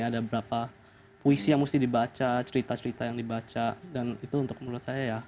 ada berapa puisi yang mesti dibaca cerita cerita yang dibaca dan itu untuk menurut saya ya